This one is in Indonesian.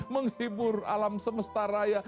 menghibur alam semesta raya